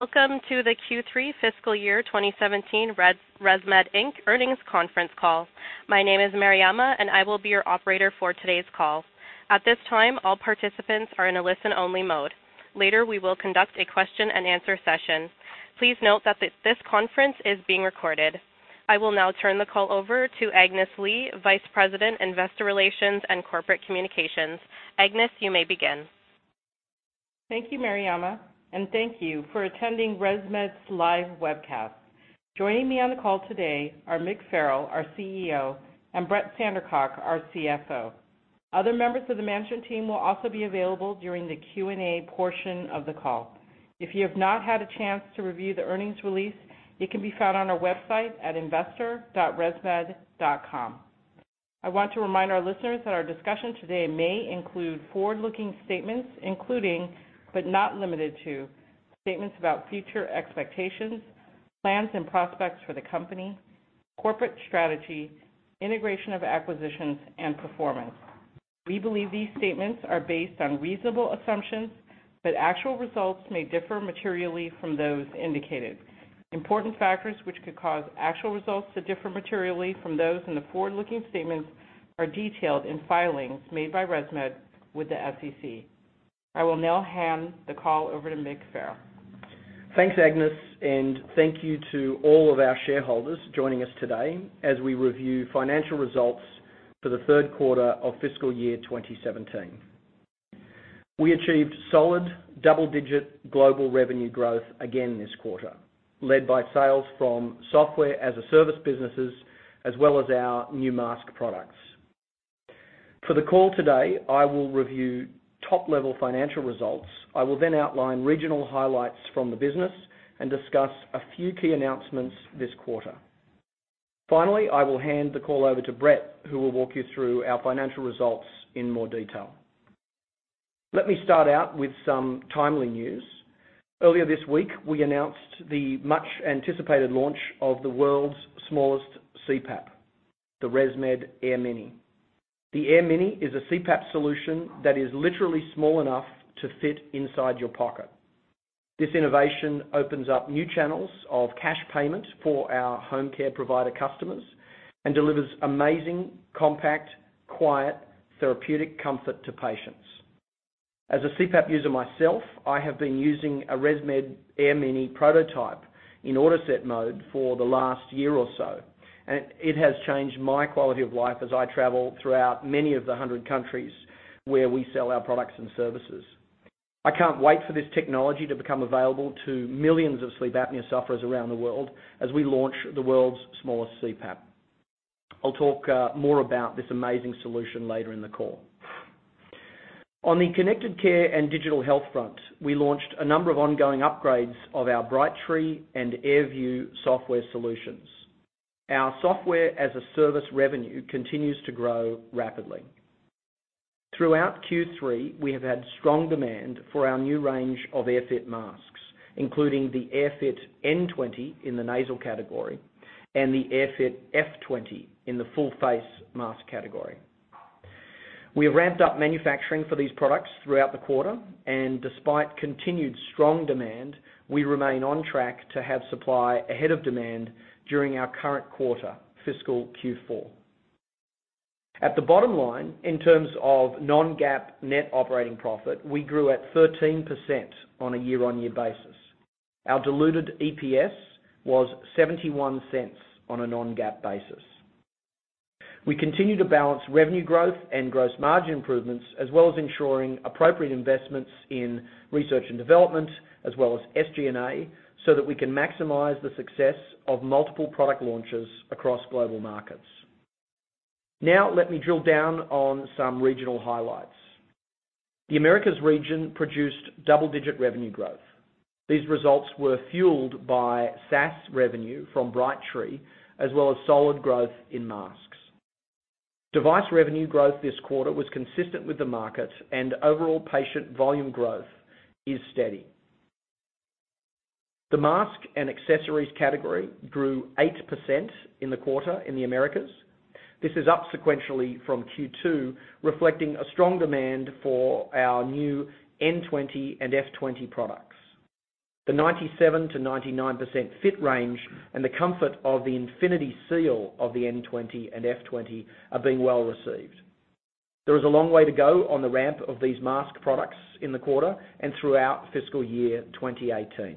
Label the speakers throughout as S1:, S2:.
S1: Welcome to the Q3 fiscal year 2017 ResMed Inc. earnings conference call. My name is Mariama, and I will be your operator for today's call. At this time, all participants are in a listen-only mode. Later, we will conduct a question and answer session. Please note that this conference is being recorded. I will now turn the call over to Agnes Lee, Vice President, Investor Relations and Corporate Communications. Agnes, you may begin.
S2: Thank you, Mariama. Thank you for attending ResMed's live webcast. Joining me on the call today are Mick Farrell, our CEO, and Brett Sandercock, our CFO. Other members of the management team will also be available during the Q&A portion of the call. If you have not had a chance to review the earnings release, it can be found on our website at investor.resmed.com. I want to remind our listeners that our discussion today may include forward-looking statements including, but not limited to, statements about future expectations, plans and prospects for the company, corporate strategy, integration of acquisitions, and performance. We believe these statements are based on reasonable assumptions, but actual results may differ materially from those indicated. Important factors which could cause actual results to differ materially from those in the forward-looking statements are detailed in filings made by ResMed with the SEC. I will now hand the call over to Mick Farrell.
S3: Thanks, Agnes. Thank you to all of our shareholders joining us today as we review financial results for the third quarter of fiscal year 2017. We achieved solid double-digit global revenue growth again this quarter, led by sales from Software-as-a-Service businesses, as well as our new mask products. For the call today, I will review top-level financial results. I will then outline regional highlights from the business and discuss a few key announcements this quarter. Finally, I will hand the call over to Brett, who will walk you through our financial results in more detail. Let me start out with some timely news. Earlier this week, we announced the much-anticipated launch of the world's smallest CPAP, the ResMed AirMini. The AirMini is a CPAP solution that is literally small enough to fit inside your pocket. This innovation opens up new channels of cash payment for our home care provider customers and delivers amazing, compact, quiet, therapeutic comfort to patients. As a CPAP user myself, I have been using a ResMed AirMini prototype in AutoSet mode for the last year or so. It has changed my quality of life as I travel throughout many of the 100 countries where we sell our products and services. I can't wait for this technology to become available to millions of sleep apnea sufferers around the world as we launch the world's smallest CPAP. I'll talk more about this amazing solution later in the call. On the connected care and digital health front, we launched a number of ongoing upgrades of our Brightree and AirView software solutions. Our Software-as-a-Service revenue continues to grow rapidly. Throughout Q3, we have had strong demand for our new range of AirFit masks, including the AirFit N20 in the nasal category and the AirFit F20 in the full-face mask category. We have ramped up manufacturing for these products throughout the quarter, and despite continued strong demand, we remain on track to have supply ahead of demand during our current quarter, fiscal Q4. At the bottom line, in terms of non-GAAP net operating profit, we grew at 13% on a year-on-year basis. Our diluted EPS was $0.71 on a non-GAAP basis. We continue to balance revenue growth and gross margin improvements, as well as ensuring appropriate investments in research and development as well as SG&A, so that we can maximize the success of multiple product launches across global markets. Let me drill down on some regional highlights. The Americas region produced double-digit revenue growth. These results were fueled by SaaS revenue from Brightree, as well as solid growth in masks. Device revenue growth this quarter was consistent with the market, and overall patient volume growth is steady. The mask and accessories category grew 8% in the quarter in the Americas. This is up sequentially from Q2, reflecting a strong demand for our new N20 and F20 products. The 97%-99% fit range and the comfort of the InfinitySeal of the N20 and F20 are being well received. There is a long way to go on the ramp of these mask products in the quarter and throughout fiscal year 2018.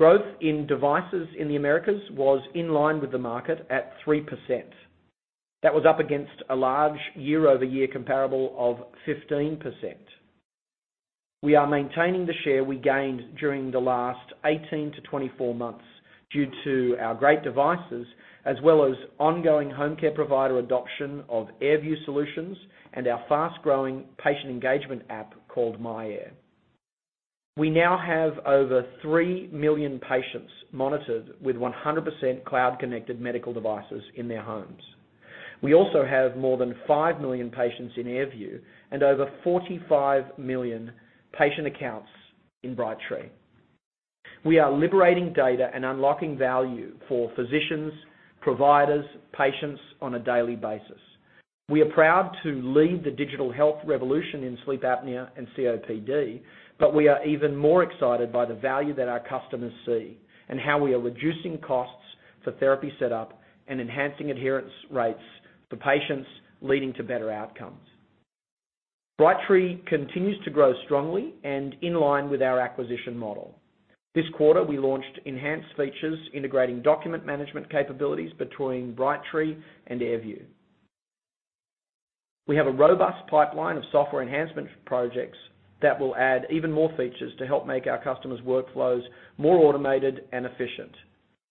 S3: Growth in devices in the Americas was in line with the market at 3%. That was up against a large year-over-year comparable of 15%. We are maintaining the share we gained during the last 18-24 months due to our great devices as well as ongoing home care provider adoption of AirView solutions and our fast-growing patient engagement app called myAir. We now have over 3 million patients monitored with 100% cloud-connected medical devices in their homes. We also have more than 5 million patients in AirView and over 45 million patient accounts in Brightree. We are liberating data and unlocking value for physicians, providers, patients on a daily basis. We are proud to lead the digital health revolution in sleep apnea and COPD, but we are even more excited by the value that our customers see and how we are reducing costs for therapy setup and enhancing adherence rates for patients, leading to better outcomes. Brightree continues to grow strongly and in line with our acquisition model. This quarter, we launched enhanced features integrating document management capabilities between Brightree and AirView. We have a robust pipeline of software enhancement projects that will add even more features to help make our customers' workflows more automated and efficient,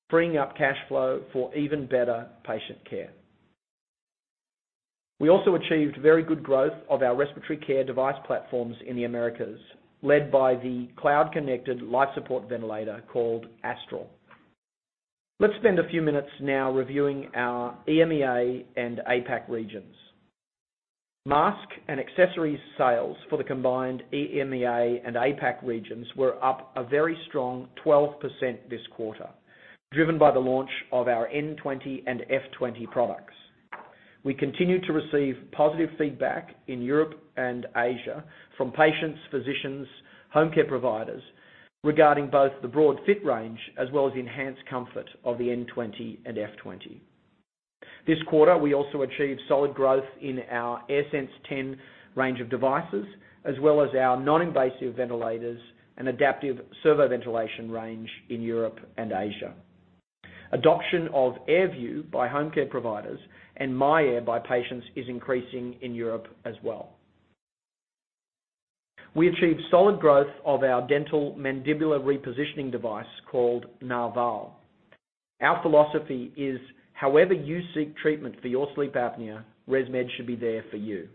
S3: freeing up cash flow for even better patient care. We also achieved very good growth of our respiratory care device platforms in the Americas, led by the cloud-connected life support ventilator called Astral. Let's spend a few minutes now reviewing our EMEA and APAC regions. Mask and accessories sales for the combined EMEA and APAC regions were up a very strong 12% this quarter, driven by the launch of our N20 and F20 products. We continue to receive positive feedback in Europe and Asia from patients, physicians, home care providers regarding both the broad fit range as well as enhanced comfort of the N20 and F20. This quarter, we also achieved solid growth in our AirSense 10 range of devices, as well as our non-invasive ventilators and adaptive servoventilation range in Europe and Asia. Adoption of AirView by home care providers and myAir by patients is increasing in Europe as well. We achieved solid growth of our dental mandibular repositioning device called Narval. Our philosophy is, however you seek treatment for your sleep apnea, ResMed should be there for you.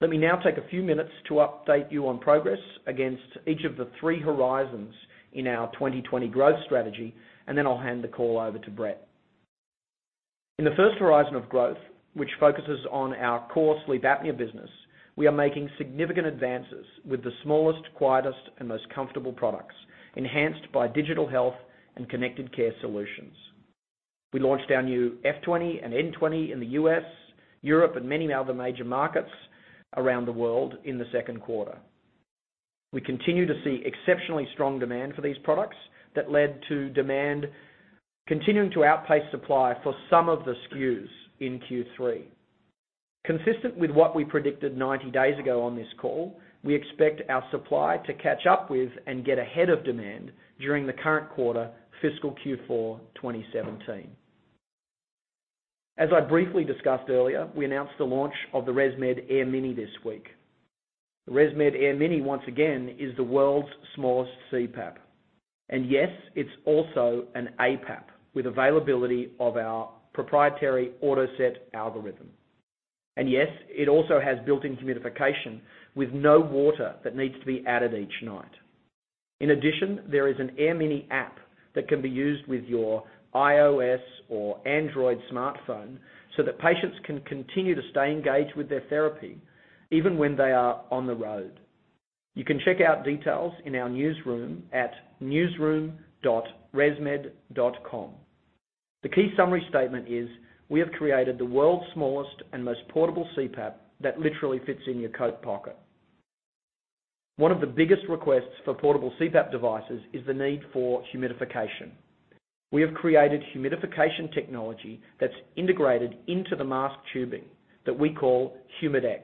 S3: Let me now take a few minutes to update you on progress against each of the three horizons in our 2020 growth strategy, then I'll hand the call over to Brett. In the first horizon of growth, which focuses on our core sleep apnea business, we are making significant advances with the smallest, quietest, and most comfortable products, enhanced by digital health and connected care solutions. We launched our new F20 and N20 in the U.S., Europe, and many other major markets around the world in the second quarter. We continue to see exceptionally strong demand for these products that led to demand continuing to outpace supply for some of the SKUs in Q3. Consistent with what we predicted 90 days ago on this call, we expect our supply to catch up with and get ahead of demand during the current quarter, fiscal Q4 2017. As I briefly discussed earlier, we announced the launch of the ResMed AirMini this week. The ResMed AirMini, once again, is the world's smallest CPAP. Yes, it's also an APAP with availability of our proprietary AutoSet algorithm. Yes, it also has built-in humidification with no water that needs to be added each night. In addition, there is an AirMini app that can be used with your iOS or Android smartphone so that patients can continue to stay engaged with their therapy even when they are on the road. You can check out details in our newsroom at newsroom.resmed.com. The key summary statement is: We have created the world's smallest and most portable CPAP that literally fits in your coat pocket. One of the biggest requests for portable CPAP devices is the need for humidification. We have created humidification technology that's integrated into the mask tubing that we call HumidX.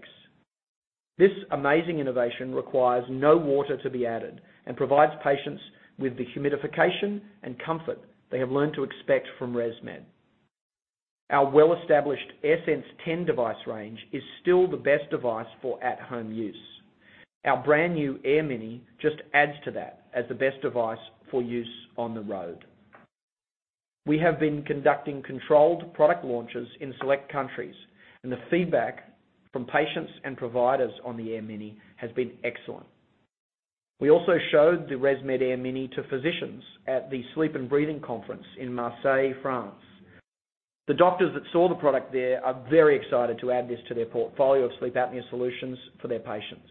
S3: This amazing innovation requires no water to be added and provides patients with the humidification and comfort they have learned to expect from ResMed. Our well-established AirSense 10 device range is still the best device for at-home use. Our brand-new AirMini just adds to that as the best device for use on the road. We have been conducting controlled product launches in select countries, and the feedback from patients and providers on the AirMini has been excellent. We also showed the ResMed AirMini to physicians at the Sleep and Breathing Conference in Marseille, France. The doctors that saw the product there are very excited to add this to their portfolio of sleep apnea solutions for their patients.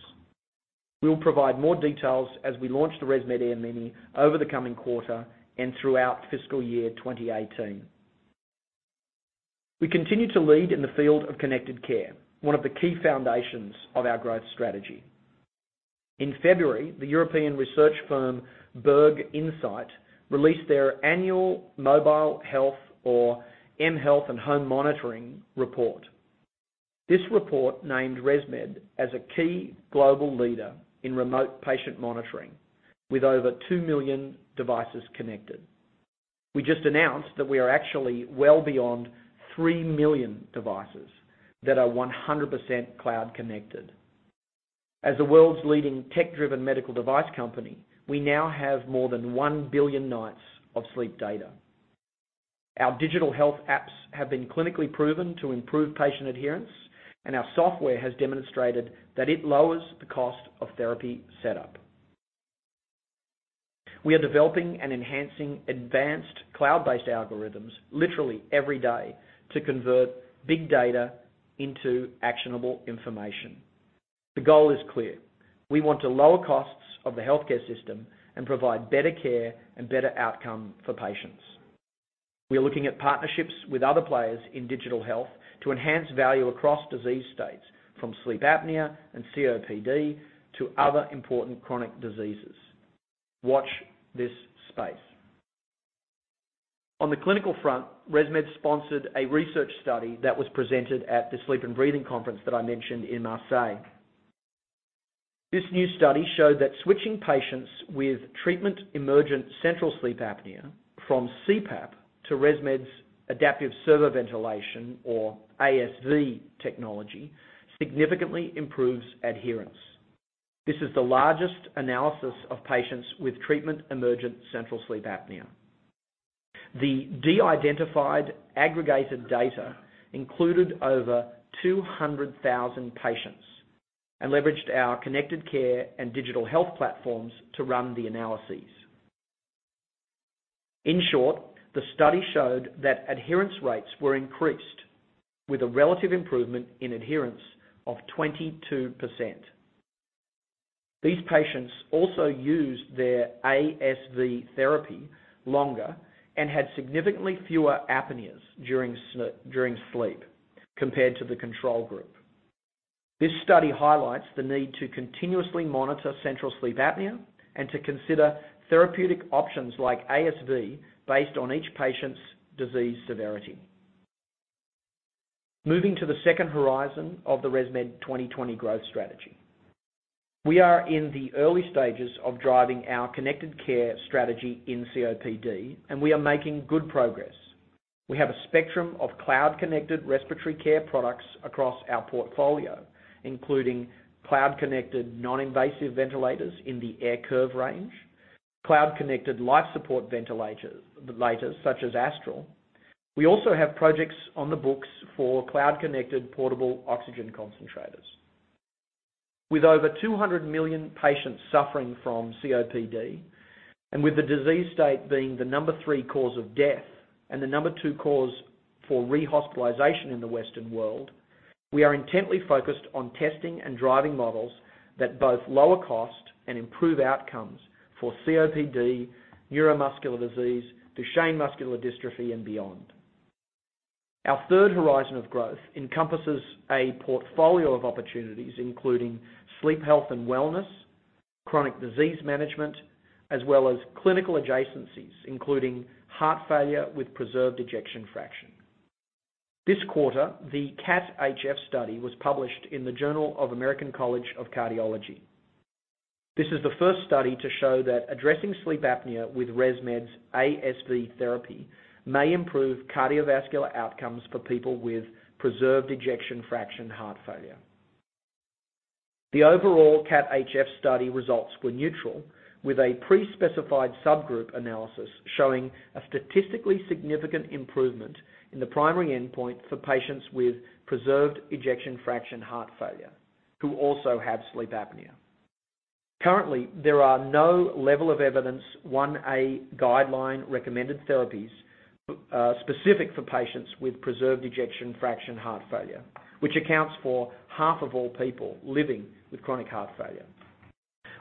S3: We will provide more details as we launch the ResMed AirMini over the coming quarter and throughout fiscal year 2018. We continue to lead in the field of connected care, one of the key foundations of our growth strategy. In February, the European research firm Berg Insight released their annual Mobile Health or mHealth and Home Monitoring report. This report named ResMed as a key global leader in remote patient monitoring with over 2 million devices connected. We just announced that we are actually well beyond 3 million devices that are 100% cloud-connected. As the world's leading tech-driven medical device company, we now have more than 1 billion nights of sleep data. Our digital health apps have been clinically proven to improve patient adherence, and our software has demonstrated that it lowers the cost of therapy setup. We are developing and enhancing advanced cloud-based algorithms literally every day to convert big data into actionable information. The goal is clear. We want to lower costs of the healthcare system and provide better care and better outcome for patients. We are looking at partnerships with other players in digital health to enhance value across disease states, from sleep apnea and COPD to other important chronic diseases. Watch this space. On the clinical front, ResMed sponsored a research study that was presented at the Sleep and Breathing Conference that I mentioned in Marseille. This new study showed that switching patients with treatment-emergent central sleep apnea from CPAP to ResMed's adaptive servo-ventilation, or ASV technology, significantly improves adherence. This is the largest analysis of patients with treatment-emergent central sleep apnea. The de-identified aggregated data included over 200,000 patients and leveraged our connected care and digital health platforms to run the analyses. In short, the study showed that adherence rates were increased with a relative improvement in adherence of 22%. These patients also used their ASV therapy longer and had significantly fewer apneas during sleep compared to the control group. This study highlights the need to continuously monitor central sleep apnea and to consider therapeutic options like ASV based on each patient's disease severity. Moving to the second horizon of the ResMed 2020 growth strategy. We are in the early stages of driving our connected care strategy in COPD, and we are making good progress. We have a spectrum of cloud-connected respiratory care products across our portfolio, including cloud-connected non-invasive ventilators in the AirCurve range, cloud-connected life support ventilators such as Astral. We also have projects on the books for cloud-connected portable oxygen concentrators. With over 200 million patients suffering from COPD and with the disease state being the number three cause of death and the number two cause for rehospitalization in the Western world, we are intently focused on testing and driving models that both lower cost and improve outcomes for COPD, neuromuscular disease, Duchenne muscular dystrophy, and beyond. Our third horizon of growth encompasses a portfolio of opportunities, including sleep health and wellness, chronic disease management, as well as clinical adjacencies, including heart failure with preserved ejection fraction. This quarter, the CAT-HF study was published in the Journal of the American College of Cardiology. This is the first study to show that addressing sleep apnea with ResMed's ASV therapy may improve cardiovascular outcomes for people with preserved ejection fraction heart failure. The overall CAT-HF study results were neutral, with a pre-specified subgroup analysis showing a statistically significant improvement in the primary endpoint for patients with preserved ejection fraction heart failure who also have sleep apnea. Currently, there are no level 1a guideline recommended therapies specific for patients with preserved ejection fraction heart failure, which accounts for half of all people living with chronic heart failure.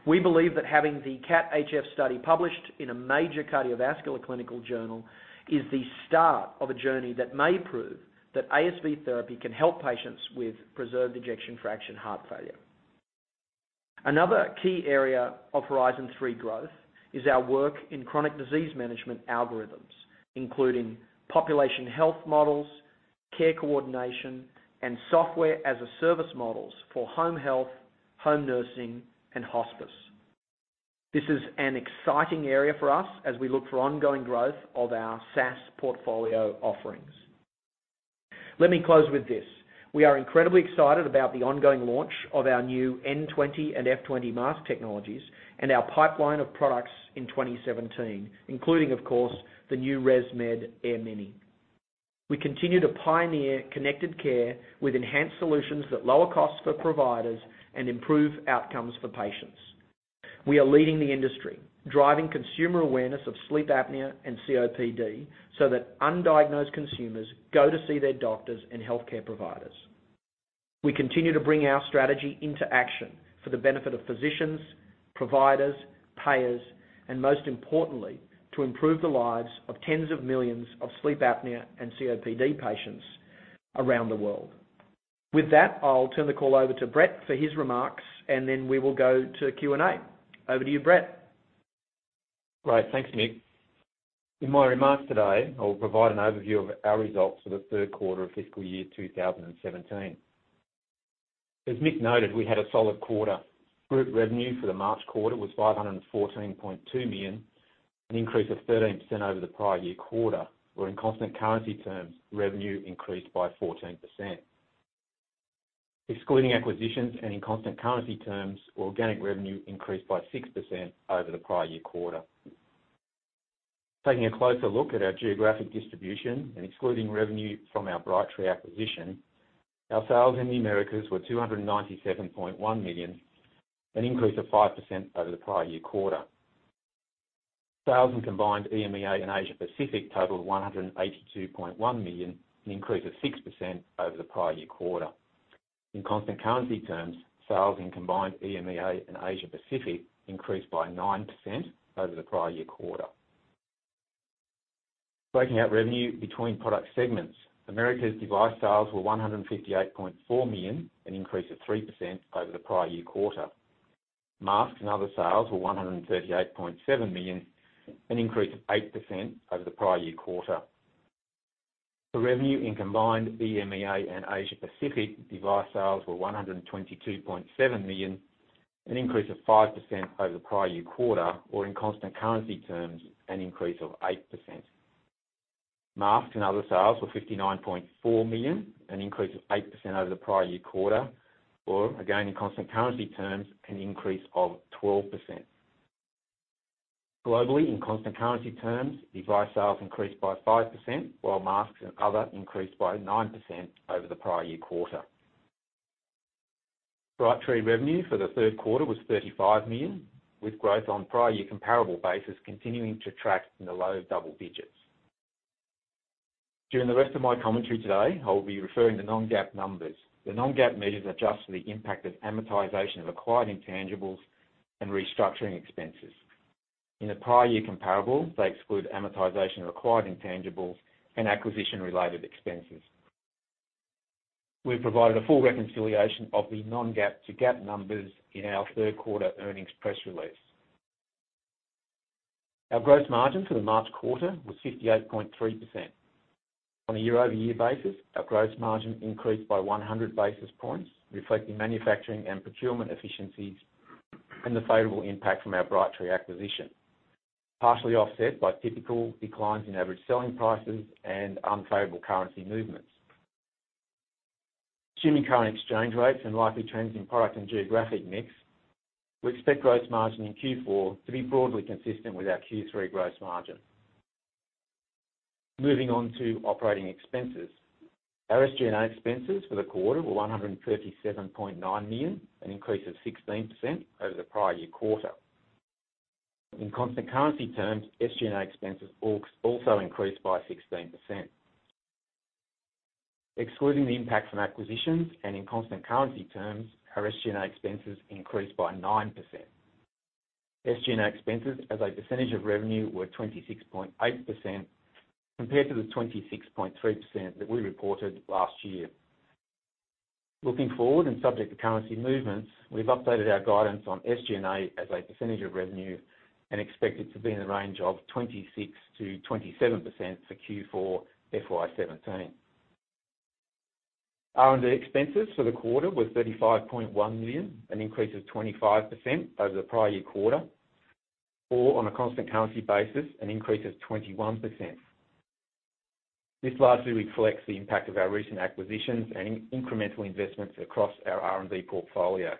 S3: We believe that having the CAT-HF study published in a major cardiovascular clinical journal is the start of a journey that may prove that ASV therapy can help patients with preserved ejection fraction heart failure. Another key area of Horizon three growth is our work in chronic disease management algorithms, including population health models, care coordination, and Software-as-a-Service models for home health, home nursing and hospice. This is an exciting area for us as we look for ongoing growth of our SaaS portfolio offerings. Let me close with this. We are incredibly excited about the ongoing launch of our new N20 and F20 mask technologies and our pipeline of products in 2017, including, of course, the new ResMed AirMini. We continue to pioneer connected care with enhanced solutions that lower costs for providers and improve outcomes for patients. We are leading the industry, driving consumer awareness of sleep apnea and COPD so that undiagnosed consumers go to see their doctors and healthcare providers. We continue to bring our strategy into action for the benefit of physicians, providers, payers, and most importantly, to improve the lives of tens of millions of sleep apnea and COPD patients around the world. With that, I'll turn the call over to Brett for his remarks, and then we will go to Q&A. Over to you, Brett.
S4: Great. Thanks, Mick. In my remarks today, I'll provide an overview of our results for the third quarter of fiscal year 2017. As Mick noted, we had a solid quarter. Group revenue for the March quarter was $514.2 million, an increase of 13% over the prior year quarter, where in constant currency terms, revenue increased by 14%. Excluding acquisitions and in constant currency terms, organic revenue increased by 6% over the prior year quarter. Taking a closer look at our geographic distribution and excluding revenue from our Brightree acquisition, our sales in the Americas were $297.1 million, an increase of 5% over the prior year quarter. Sales in combined EMEA and Asia Pacific totaled $182.1 million, an increase of 6% over the prior year quarter. In constant currency terms, sales in combined EMEA and Asia Pacific increased by 9% over the prior year quarter. Breaking out revenue between product segments. Americas device sales were $158.4 million, an increase of 3% over the prior year quarter. Masks and other sales were $138.7 million, an increase of 8% over the prior year quarter. The revenue in combined EMEA and Asia Pacific device sales were $122.7 million, an increase of 5% over the prior year quarter, or in constant currency terms, an increase of 8%. Masks and other sales were $59.4 million, an increase of 8% over the prior year quarter, or again in constant currency terms, an increase of 12%. Globally, in constant currency terms, device sales increased by 5%, while masks and other increased by 9% over the prior year quarter. Brightree revenue for the third quarter was $35 million, with growth on prior year comparable basis continuing to track in the low double digits. During the rest of my commentary today, I will be referring to non-GAAP numbers. The non-GAAP measures adjust for the impact of amortization of acquired intangibles and restructuring expenses. In the prior year comparable, they exclude amortization of acquired intangibles and acquisition-related expenses. We've provided a full reconciliation of the non-GAAP to GAAP numbers in our third quarter earnings press release. Our gross margin for the March quarter was 58.3%. On a year-over-year basis, our gross margin increased by 100 basis points, reflecting manufacturing and procurement efficiencies and the favorable impact from our Brightree acquisition, partially offset by typical declines in average selling prices and unfavorable currency movements. Assuming current exchange rates and likely trends in product and geographic mix, we expect gross margin in Q4 to be broadly consistent with our Q3 gross margin. Moving on to operating expenses. Our SG&A expenses for the quarter were $137.9 million, an increase of 16% over the prior year quarter. In constant currency terms, SG&A expenses also increased by 16%. Excluding the impact from acquisitions, and in constant currency terms, our SG&A expenses increased by 9%. SG&A expenses as a percentage of revenue were 26.8%, compared to the 26.3% that we reported last year. Looking forward, and subject to currency movements, we've updated our guidance on SG&A as a percentage of revenue and expect it to be in the range of 26%-27% for Q4 FY 2017. R&D expenses for the quarter were $35.1 million, an increase of 25% over the prior year quarter, or on a constant currency basis, an increase of 21%. This largely reflects the impact of our recent acquisitions and incremental investments across our R&D portfolio.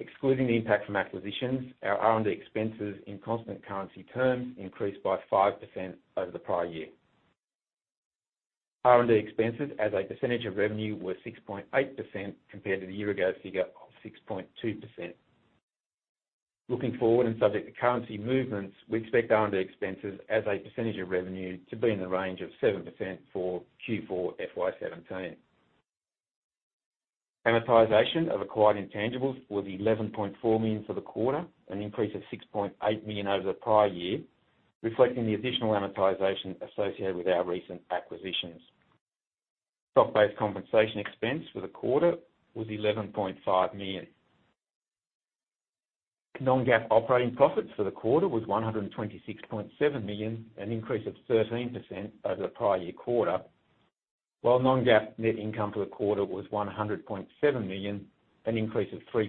S4: Excluding the impact from acquisitions, our R&D expenses in constant currency terms increased by 5% over the prior year. R&D expenses as a percentage of revenue were 6.8%, compared to the year-ago figure of 6.2%. Looking forward, and subject to currency movements, we expect R&D expenses as a percentage of revenue to be in the range of 7% for Q4 FY 2017. Amortization of acquired intangibles was $11.4 million for the quarter, an increase of $6.8 million over the prior year, reflecting the additional amortization associated with our recent acquisitions. Stock-based compensation expense for the quarter was $11.5 million. Non-GAAP operating profits for the quarter were $126.7 million, an increase of 13% over the prior year quarter. While non-GAAP net income for the quarter was $100.7 million, an increase of 3%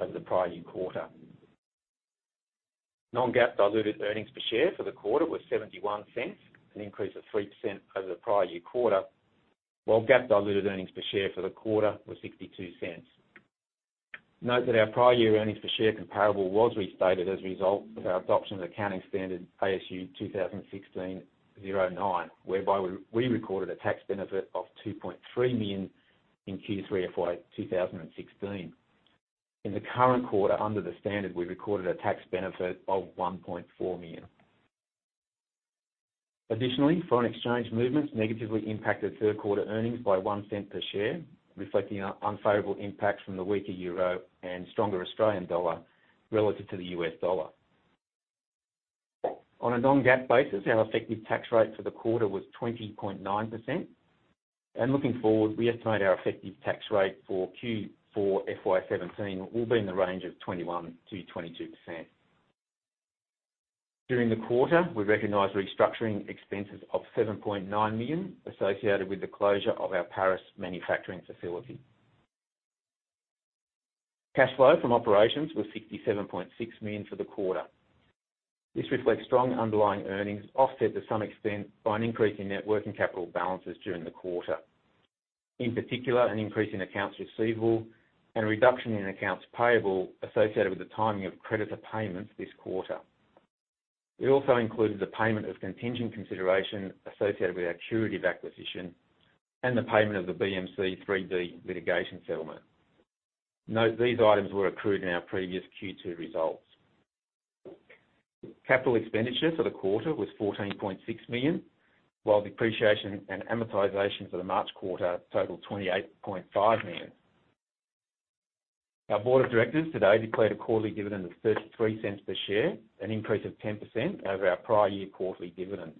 S4: over the prior year quarter. Non-GAAP diluted earnings per share for the quarter was $0.71, an increase of 3% over the prior year quarter, while GAAP diluted earnings per share for the quarter was $0.62. Note that our prior year earnings per share comparable was restated as a result of our adoption of accounting standard ASU 2016-09, whereby we recorded a tax benefit of $2.3 million in Q3 FY 2016. In the current quarter, under the standard, we recorded a tax benefit of $1.4 million. Additionally, foreign exchange movements negatively impacted third quarter earnings by $0.01 per share, reflecting unfavorable impacts from the weaker EUR and stronger AUD relative to the USD. On a non-GAAP basis, our effective tax rate for the quarter was 20.9%, and looking forward, we estimate our effective tax rate for Q4 FY 2017 will be in the range of 21%-22%. During the quarter, we recognized restructuring expenses of $7.9 million associated with the closure of our Paris manufacturing facility. Cash flow from operations was $67.6 million for the quarter. This reflects strong underlying earnings, offset to some extent by an increase in net working capital balances during the quarter. In particular, an increase in accounts receivable and a reduction in accounts payable associated with the timing of creditor payments this quarter. It also included the payment of contingent consideration associated with our Curative acquisition and the payment of the BMC 3B litigation settlement. Note these items were accrued in our previous Q2 results. Capital expenditure for the quarter was $14.6 million, while depreciation and amortization for the March quarter totaled $28.5 million. Our board of directors today declared a quarterly dividend of $0.33 per share, an increase of 10% over our prior year quarterly dividend.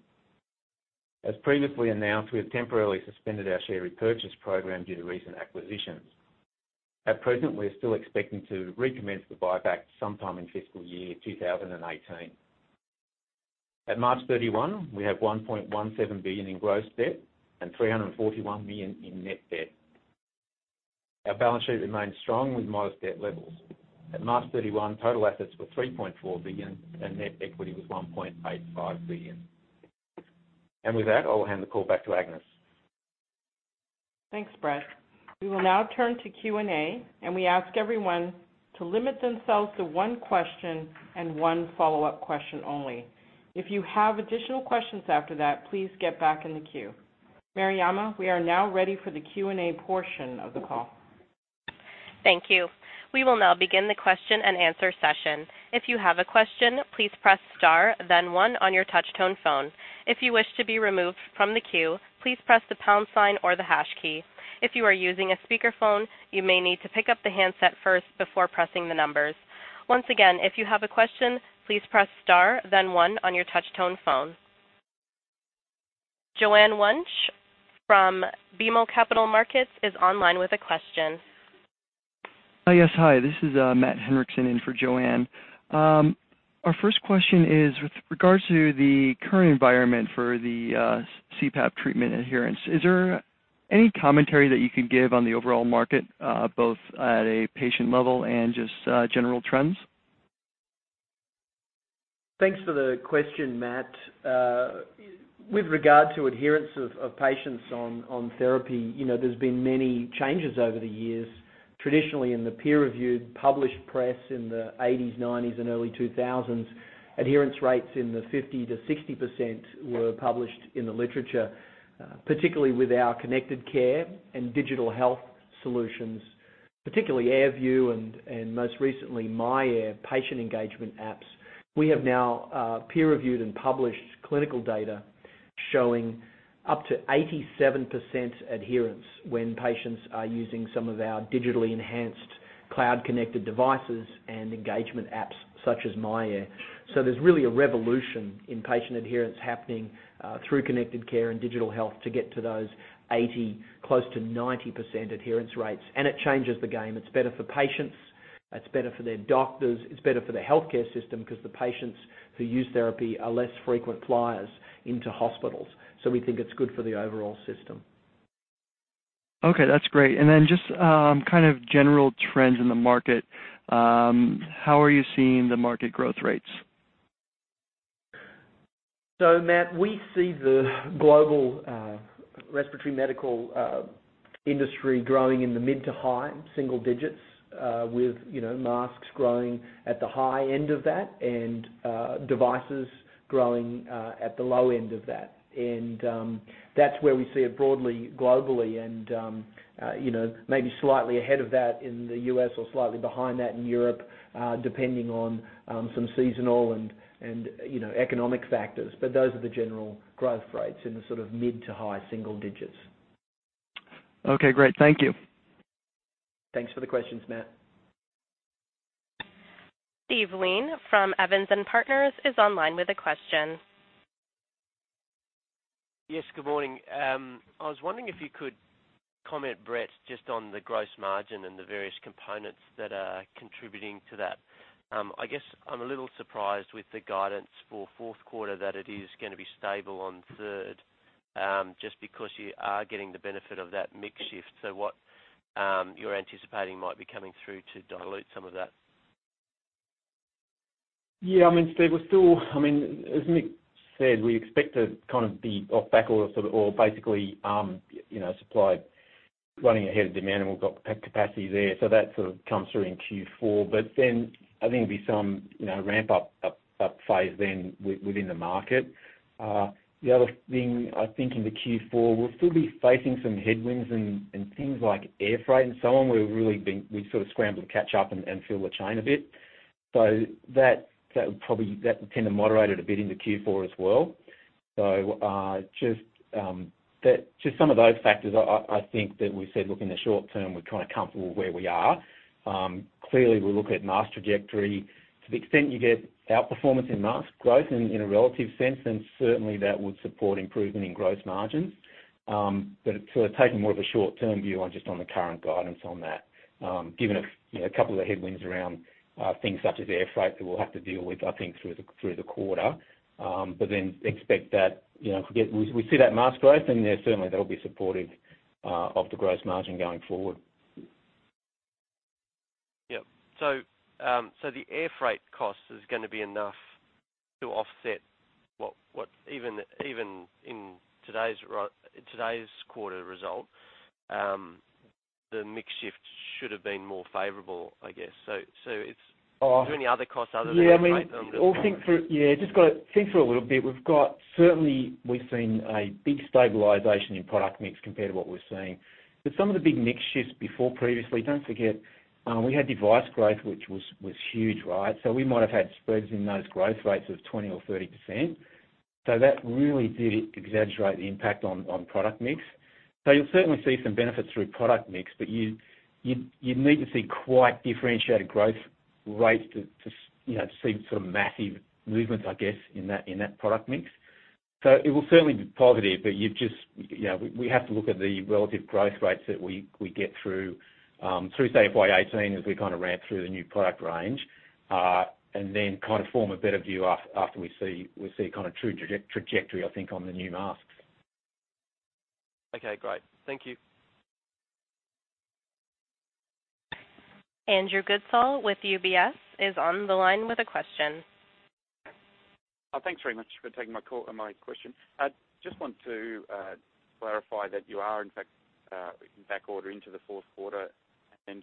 S4: As previously announced, we have temporarily suspended our share repurchase program due to recent acquisitions. At present, we are still expecting to recommence the buyback sometime in FY 2018. At March 31, we have $1.17 billion in gross debt and $341 million in net debt. Our balance sheet remains strong with modest debt levels. At March 31, total assets were $3.4 billion and net equity was $1.85 billion. With that, I'll hand the call back to Agnes.
S2: Thanks, Brett. We will now turn to Q&A, and we ask everyone to limit themselves to one question and one follow-up question only. If you have additional questions after that, please get back in the queue. Mariama, we are now ready for the Q&A portion of the call.
S1: Thank you. We will now begin the question and answer session. If you have a question, please press star then one on your touch-tone phone. If you wish to be removed from the queue, please press the pound sign or the hash key. If you are using a speakerphone, you may need to pick up the handset first before pressing the numbers. Once again, if you have a question, please press star then one on your touch-tone phone. Joanne Wuensch from BMO Capital Markets is online with a question.
S5: Yes, hi. This is Matt Henrickson in for Joanne. Our first question is with regards to the current environment for the CPAP treatment adherence. Is there any commentary that you could give on the overall market, both at a patient level and just general trends?
S3: Thanks for the question, Matt. With regard to adherence of patients on therapy, you know, there's been many changes over the years. Traditionally, in the peer-reviewed published press in the '80s, '90s, and early 2000s, adherence rates in the 50%-60% were published in the literature, particularly with our connected care and digital health solutions, particularly AirView and most recently, myAir patient engagement apps. We have now peer-reviewed and published clinical data showing up to 87% adherence when patients are using some of our digitally enhanced cloud-connected devices and engagement apps such as myAir. There's really a revolution in patient adherence happening through connected care and digital health to get to those 80%, close to 90% adherence rates, and it changes the game. It's better for patients. It's better for their doctors. It's better for the healthcare system because the patients who use therapy are less frequent flyers into hospitals. We think it's good for the overall system.
S5: Okay, that's great. Just, kind of general trends in the market, how are you seeing the market growth rates?
S3: Matt, we see the global respiratory medical industry growing in the mid to high single digits, with, you know, masks growing at the high end of that and devices growing at the low end of that. That's where we see it broadly, globally and, you know, maybe slightly ahead of that in the U.S. or slightly behind that in Europe, depending on some seasonal and, you know, economic factors. Those are the general growth rates in the sort of mid to high single digits.
S5: Okay, great. Thank you.
S3: Thanks for the questions, Matt.
S1: Steve Wheen from Evans & Partners is online with a question.
S6: Yes, good morning. I was wondering if you could comment, Brett, just on the gross margin and the various components that are contributing to that. I guess I'm a little surprised with the guidance for fourth quarter that it is going to be stable on third, just because you are getting the benefit of that mix shift. What you're anticipating might be coming through to dilute some of that?
S4: I mean, Steve, we're still I mean, as Mick said, we expect to kind of be off backorder or basically, you know, supply running ahead of demand, and we've got capacity there. That sort of comes through in Q4. I think there'll be some, you know, ramp up phase then within the market. The other thing, I think in the Q4, we'll still be facing some headwinds in things like air freight and so on. We've sort of scrambled to catch up and feel the chain a bit. That would tend to moderate it a bit into Q4 as well. Just some of those factors, I think that we said, look, in the short term, we're kind of comfortable where we are. Clearly, we look at mask trajectory. To the extent you get outperformance in mask growth in a relative sense, certainly that would support improvement in gross margins. Sort of taking more of a short-term view on just on the current guidance on that, given a, you know, a couple of headwinds around things such as air freight that we'll have to deal with, I think, through the quarter. Expect that, you know, if we see that mask growth, certainly that'll be supportive of the gross margin going forward.
S6: Yep. The air freight cost is going to be enough to offset what even in today's quarter result, the mix shift should have been more favorable I guess. Are there any other costs other than air freight on the products?
S4: Yeah, just got to think through it a little bit. Certainly, we've seen a big stabilization in product mix compared to what we're seeing. Some of the big mix shifts before previously, don't forget, we had device growth, which was huge, right? We might have had spurts in those growth rates of 20% or 30%. That really did exaggerate the impact on product mix. You'll certainly see some benefits through product mix, but you'd need to see quite differentiated growth rates to see massive movements, I guess, in that product mix. It will certainly be positive, but we have to look at the relative growth rates that we get through, say, FY 2018, as we ramp through the new product range, and then form a better view after we see true trajectory, I think, on the new masks.
S6: Okay, great. Thank you.
S1: Andrew Goodsall with UBS is on the line with a question.
S7: Thanks very much for taking my question. Just want to clarify that you are, in fact, back-order into the fourth quarter.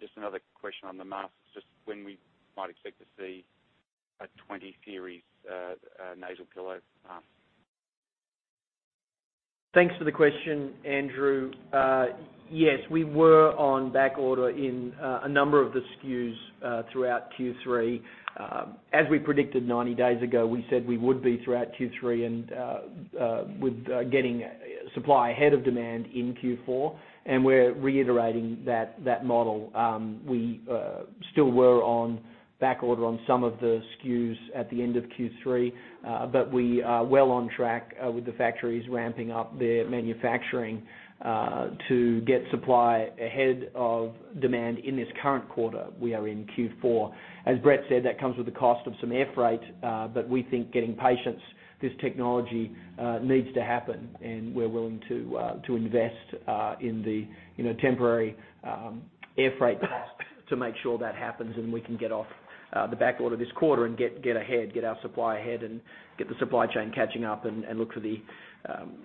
S7: Just another question on the masks, just when we might expect to see a 20 series nasal pillow mask.
S3: Thanks for the question, Andrew. Yes, we were on back-order in a number of the SKUs throughout Q3. As we predicted 90 days ago, we said we would be throughout Q3, and with getting supply ahead of demand in Q4. We're reiterating that model. We still were on back-order on some of the SKUs at the end of Q3, but we are well on track with the factories ramping up their manufacturing, to get supply ahead of demand in this current quarter. We are in Q4. As Brett said, that comes with the cost of some air freight, but we think getting patients this technology needs to happen, and we're willing to invest in the temporary air freight costs to make sure that happens, and we can get off the back-order this quarter and get ahead, get our supply ahead, and get the supply chain catching up and look for the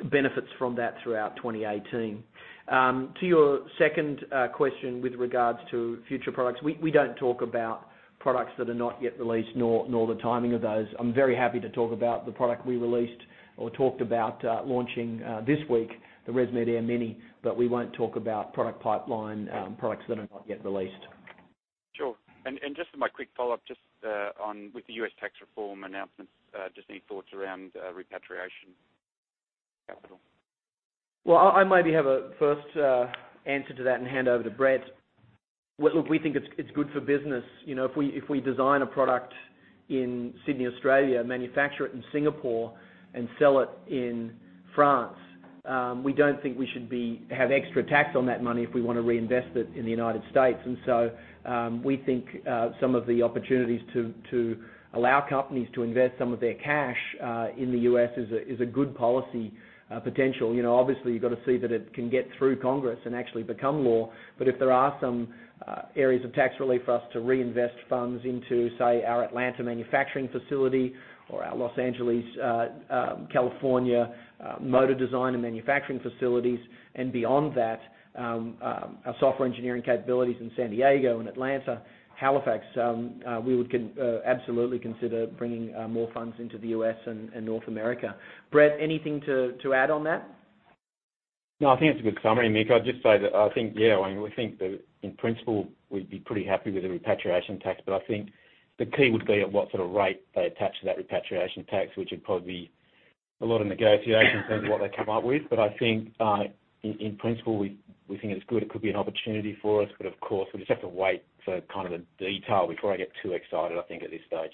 S3: benefits from that throughout 2018. To your second question with regards to future products, we don't talk about products that are not yet released, nor the timing of those. I'm very happy to talk about the product we released or talked about launching this week, the ResMed AirMini, but we won't talk about product pipeline products that are not yet released.
S7: Sure. Just my quick follow-up, just with the U.S. tax reform announcements, just any thoughts around repatriation capital?
S3: Well, I maybe have a first answer to that and hand over to Brett. Look, we think it's good for business. If we design a product in Sydney, Australia, manufacture it in Singapore, and sell it in France, we don't think we should have extra tax on that money if we want to reinvest it in the United States. We think some of the opportunities to allow companies to invest some of their cash in the U.S. is a good policy potential. Obviously, you've got to see that it can get through Congress and actually become law. If there are some areas of tax relief for us to reinvest funds into, say, our Atlanta manufacturing facility or our Los Angeles, California motor design and manufacturing facilities and beyond that, our software engineering capabilities in San Diego and Atlanta, Halifax, we would absolutely consider bringing more funds into the U.S. and North America. Brett, anything to add on that?
S4: I think it's a good summary, Mick. I'd just say that I think, yeah, we think that, in principle, we'd be pretty happy with the repatriation tax. I think the key would be at what sort of rate they attach to that repatriation tax, which would probably be a lot of negotiation in terms of what they come up with. I think, in principle, we think it's good. It could be an opportunity for us, but of course, we'll just have to wait for kind of the detail before I get too excited, I think, at this stage.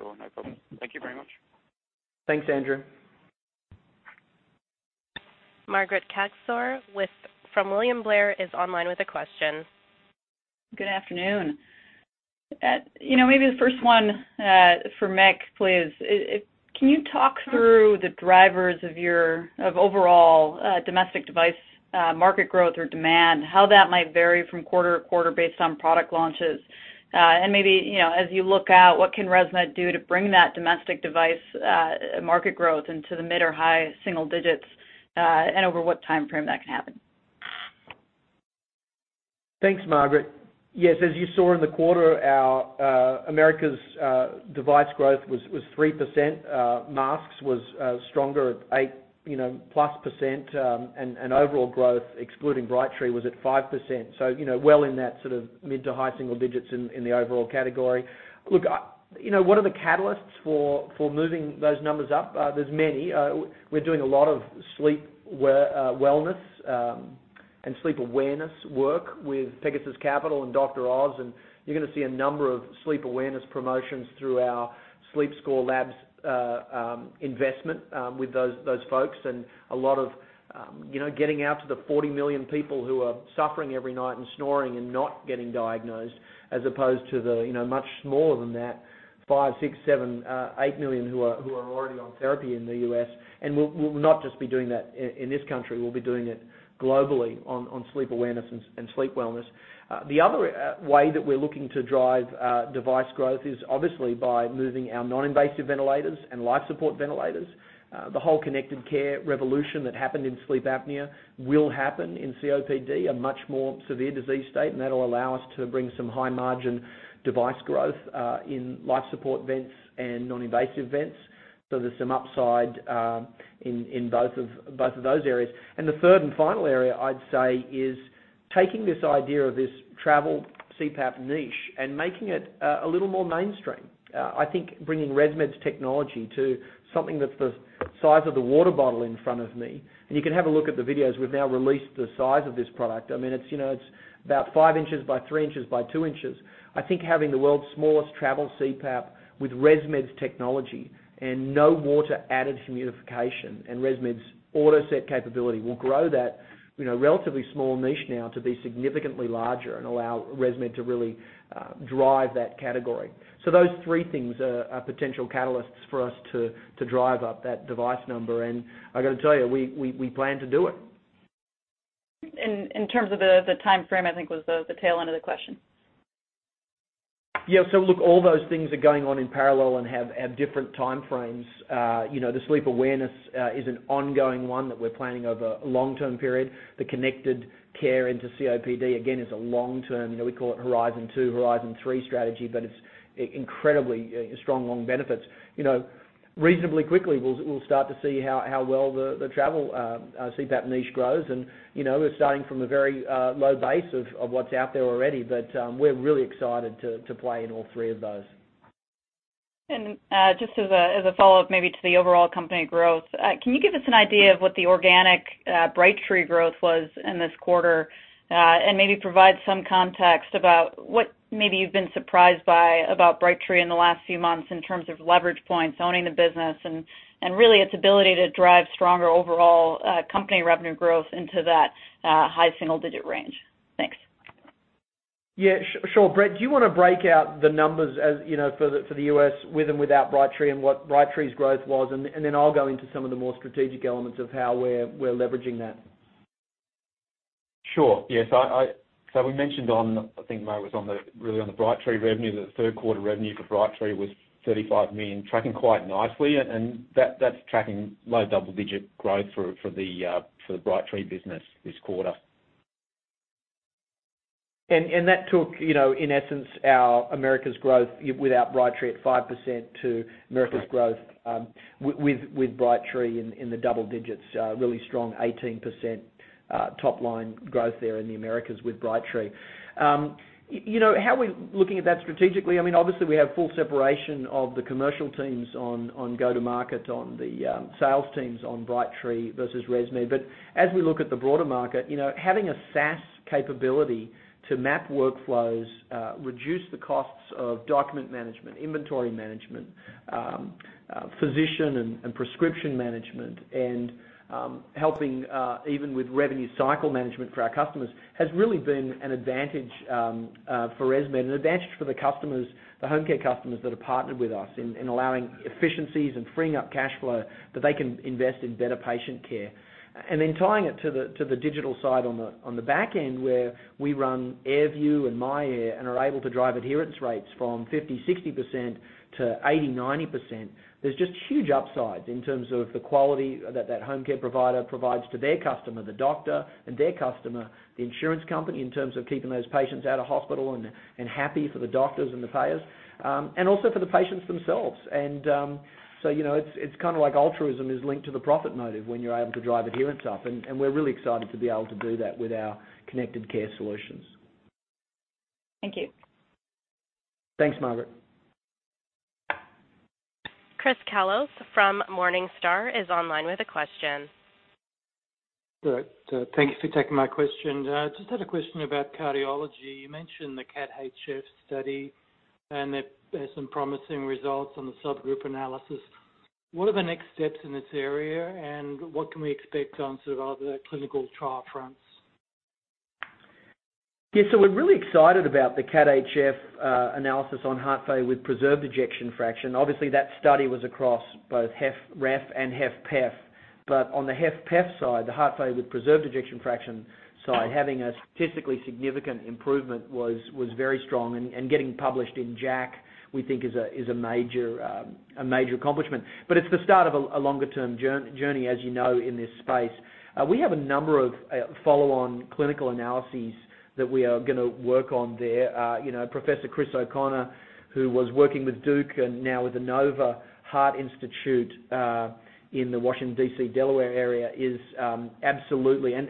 S7: Cool. No problem. Thank you very much.
S3: Thanks, Andrew.
S1: Margaret Kaczor from William Blair is online with a question.
S8: Good afternoon. Maybe the first one for Mick, please. Can you talk through the drivers of overall domestic device market growth or demand? How that might vary from quarter to quarter based on product launches. Maybe, as you look out, what can ResMed do to bring that domestic device market growth into the mid or high single digits, and over what timeframe that can happen?
S3: Thanks, Margaret. Yes, as you saw in the quarter, our Americas device growth was 3%. Masks was stronger at eight-plus %. Overall growth, excluding Brightree, was at 5%. Well in that sort of mid to high single digits in the overall category. Look, one of the catalysts for moving those numbers up, there's many. We're doing a lot of sleep wellness and sleep awareness work with Pegasus Capital and Dr. Oz, and you're going to see a number of sleep awareness promotions through our SleepScore Labs investment with those folks. A lot of getting out to the 40 million people who are suffering every night and snoring and not getting diagnosed, as opposed to the much smaller than that, 5, 6, 7, 8 million who are already on therapy in the U.S. We'll not just be doing that in this country, we'll be doing it globally on sleep awareness and sleep wellness. The other way that we're looking to drive device growth is obviously by moving our non-invasive ventilators and life support ventilators. The whole connected care revolution that happened in sleep apnea will happen in COPD, a much more severe disease state, and that'll allow us to bring some high margin device growth in life support vents and non-invasive vents. There's some upside in both of those areas. The third and final area, I'd say, is taking this idea of this travel CPAP niche and making it a little more mainstream. I think bringing ResMed's technology to something that's the size of the water bottle in front of me, and you can have a look at the videos. We've now released the size of this product. It's about five inches by three inches by two inches. I think having the world's smallest travel CPAP with ResMed's technology and no water added humidification and ResMed's AutoSet capability will grow that relatively small niche now to be significantly larger and allow ResMed to really drive that category. Those three things are potential catalysts for us to drive up that device number. I got to tell you, we plan to do it.
S8: In terms of the timeframe, I think, was the tail end of the question.
S3: All those things are going on in parallel and have different time frames. The sleep awareness is an ongoing one that we're planning over a long-term period. The connected care into COPD, again, is a long-term, we call it Horizon 2, Horizon 3 strategy, but it's incredibly strong, long benefits. Reasonably quickly, we'll start to see how well the travel CPAP niche grows, and we're starting from a very low base of what's out there already. We're really excited to play in all three of those.
S8: Just as a follow-up, maybe to the overall company growth, can you give us an idea of what the organic Brightree growth was in this quarter? Maybe provide some context about what maybe you've been surprised by about Brightree in the last few months in terms of leverage points, owning the business, and really its ability to drive stronger overall company revenue growth into that high single-digit range. Thanks.
S3: Yeah, sure. Brett, do you want to break out the numbers for the U.S. with and without Brightree and what Brightree's growth was? Then I'll go into some of the more strategic elements of how we're leveraging that.
S4: Sure. Yes. We mentioned on, I think, Marg was on the Brightree revenue, the third quarter revenue for Brightree was $35 million, tracking quite nicely, and that's tracking low double-digit growth for the Brightree business this quarter.
S3: That took, in essence, our Americas growth without Brightree at 5% to Americas growth with Brightree in the double-digits, really strong, 18% top-line growth there in the Americas with Brightree. How are we looking at that strategically? Obviously, we have full separation of the commercial teams on go-to-market, on the sales teams on Brightree versus ResMed. As we look at the broader market, having a SaaS capability to map workflows, reduce the costs of document management, inventory management, physician and prescription management, and helping even with revenue cycle management for our customers, has really been an advantage for ResMed and advantage for the home care customers that are partnered with us in allowing efficiencies and freeing up cash flow that they can invest in better patient care. Tying it to the digital side on the back end, where we run AirView and myAir and are able to drive adherence rates from 50%, 60% to 80%, 90%. There's just huge upsides in terms of the quality that home care provider provides to their customer, the doctor, and their customer, the insurance company, in terms of keeping those patients out of hospital and happy for the doctors and the payers, and also for the patients themselves. It's kind of like altruism is linked to the profit motive when you're able to drive adherence up, and we're really excited to be able to do that with our connected care solutions.
S8: Thank you.
S3: Thanks, Margaret.
S1: Chris Kallos from Morningstar is online with a question.
S9: Great. Thank you for taking my question. Just had a question about cardiology. You mentioned the CAT-HF study. There's some promising results on the subgroup analysis. What are the next steps in this area, and what can we expect on sort of other clinical trial fronts?
S3: Yeah. We're really excited about the CAT-HF analysis on heart failure with preserved ejection fraction. Obviously, that study was across both HFrEF and HFpEF, but on the HFpEF side, the heart failure with preserved ejection fraction side, having a statistically significant improvement was very strong. Getting published in JACC, we think is a major accomplishment. It's the start of a longer-term journey, as you know, in this space. We have a number of follow-on clinical analyses that we are going to work on there. Professor Chris O'Connor, who was working with Duke and now with the Inova Heart and Vascular Institute, in the Washington, D.C., Delaware area, is absolutely, and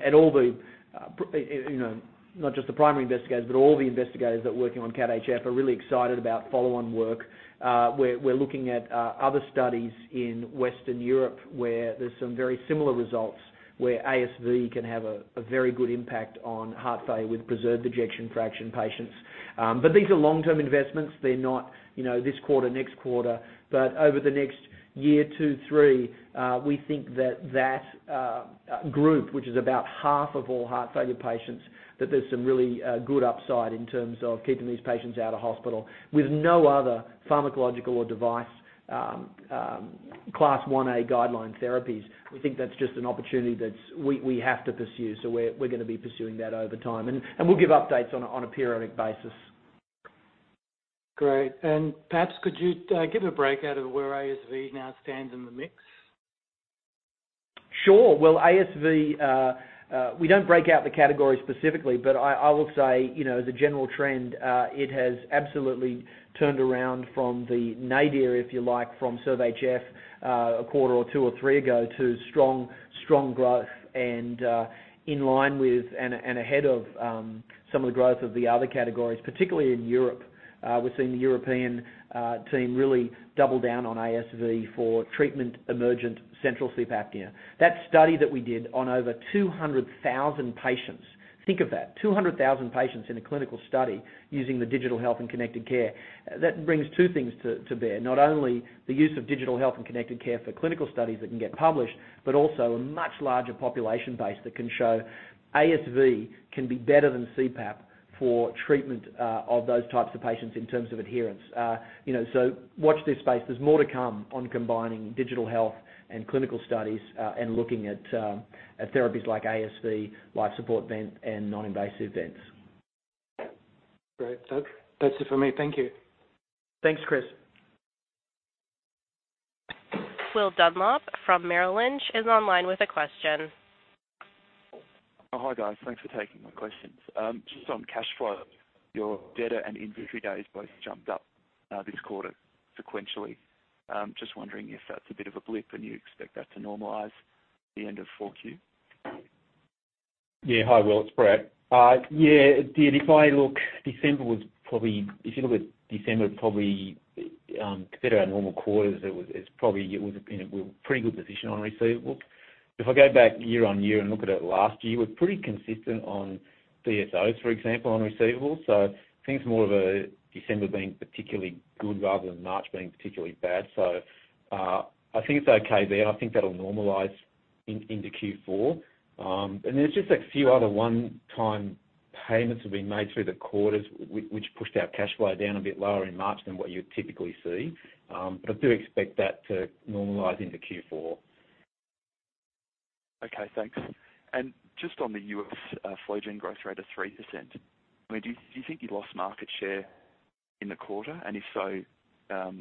S3: not just the primary investigators, but all the investigators that working on CAT-HF are really excited about follow-on work. We're looking at other studies in Western Europe where there's some very similar results where ASV can have a very good impact on heart failure with preserved ejection fraction patients. These are long-term investments. They're not this quarter, next quarter. Over the next year, two, three, we think that that group, which is about half of all heart failure patients, that there's some really good upside in terms of keeping these patients out of hospital with no other pharmacological or device Class I guideline therapies. We think that's just an opportunity that we have to pursue. We're going to be pursuing that over time, and we'll give updates on a periodic basis.
S9: Great. Perhaps could you give a breakout of where ASV now stands in the mix?
S3: Sure. Well, ASV, we don't break out the category specifically, I will say, as a general trend, it has absolutely turned around from the nadir, if you like, from SERVE-HF, a quarter or two or three ago to strong growth and in line with and ahead of some of the growth of the other categories, particularly in Europe. We're seeing the European team really double down on ASV for treatment emergent central sleep apnea. That study that we did on over 200,000 patients. Think of that, 200,000 patients in a clinical study using the digital health and connected care. That brings two things to bear. Not only the use of digital health and connected care for clinical studies that can get published, but also a much larger population base that can show ASV can be better than CPAP for treatment of those types of patients in terms of adherence. Watch this space. There's more to come on combining digital health and clinical studies, looking at therapies like ASV, life support vent, and non-invasive vents.
S9: Great. That's it for me. Thank you.
S3: Thanks, Chris.
S1: William Dunlap from Merrill Lynch is online with a question.
S10: Hi, guys. Thanks for taking my questions. Just on cash flow, your debtor and inventory days both jumped up this quarter sequentially. Just wondering if that's a bit of a blip and you expect that to normalize at the end of four Q?
S4: Yeah. Hi, Will, it's Brett. Yeah, it did. If you look at December, probably, compared to our normal quarters, it was in a pretty good position on receivables. If I go back year-on-year and look at it last year, we're pretty consistent on DSOs, for example, on receivables. I think it's more of a December being particularly good rather than March being particularly bad. I think that'll normalize into Q4. There's just a few other one-time payments that have been made through the quarters, which pushed our cash flow down a bit lower in March than what you would typically see. I do expect that to normalize into Q4.
S10: Okay, thanks. Just on the U.S. flow generator growth rate of 3%, do you think you lost market share in the quarter? If so,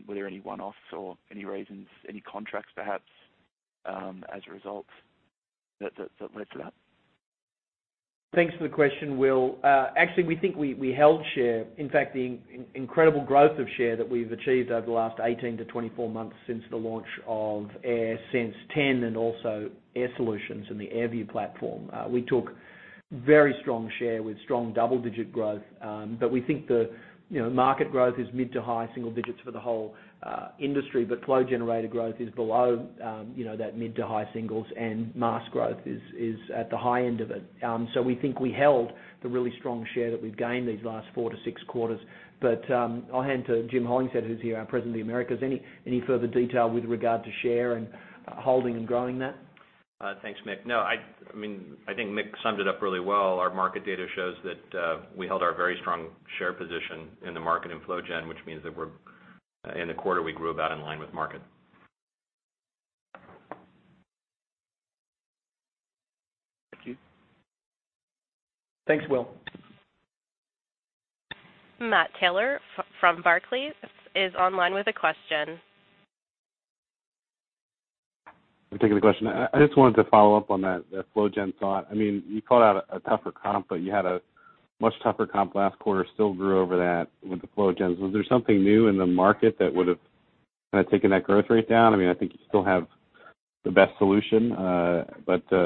S10: were there any one-offs or any reasons, any contracts perhaps, as a result that led to that?
S3: Thanks for the question, Will. Actually, we think we held share. In fact, the incredible growth of share that we've achieved over the last 18-24 months since the launch of AirSense 10 and also Air Solutions and the AirView platform. We took very strong share with strong double-digit growth, but we think the market growth is mid-to-high single-digits for the whole industry. flow generator growth is below that mid-to-high singles and mask growth is at the high end of it. We think we held the really strong share that we've gained these last four to six quarters. I'll hand to Jim Hollingshead, who's here, our President of the Americas. Any further detail with regard to share and holding and growing that?
S11: Thanks, Mick. I think Mick summed it up really well. Our market data shows that we held our very strong share position in the market in flowgen, which means that in the quarter, we grew about in line with market.
S10: Thank you.
S3: Thanks, Will.
S1: Matthew Taylor from Barclays is online with a question.
S12: Thanks for taking the question. I just wanted to follow up on that flowgen thought. You called out a tougher comp, you had a much tougher comp last quarter, still grew over that with the flowgen. Was there something new in the market that would've taken that growth rate down? I think you still have the best solution.